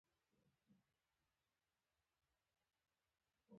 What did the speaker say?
راته کتل يې، لاس يې راته ښوراوه، او ودرېد.